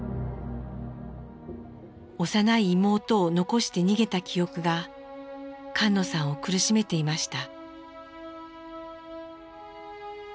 幼い妹を残して逃げた記憶が菅野さんを苦しめていました。